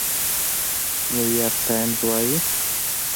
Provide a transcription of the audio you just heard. نيويارک ټايمز وايي،